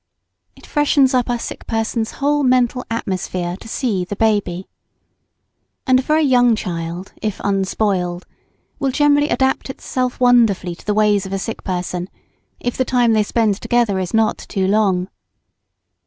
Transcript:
It freshens up a sick person's whole mental atmosphere to see "the baby." And a very young child, if unspoiled, will generally adapt itself wonderfully to the ways of a sick person, if the time they spend together is not too long.